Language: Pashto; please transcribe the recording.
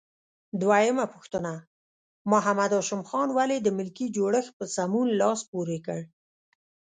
دویمه پوښتنه: محمد هاشم خان ولې د ملکي جوړښت په سمون لاس پورې کړ؟